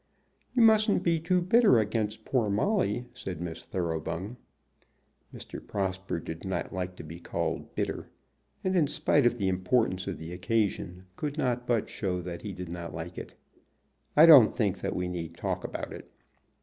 "You mustn't be too bitter against poor Molly," said Miss Thoroughbung. Mr. Prosper did not like to be called bitter, and, in spite of the importance of the occasion, could not but show that he did not like it. "I don't think that we need talk about it."